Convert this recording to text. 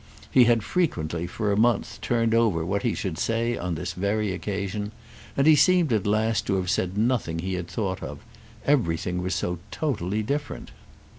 He had frequently for a month, turned over what he should say on this very occasion, and he seemed at last to have said nothing he had thought of—everything was so totally different.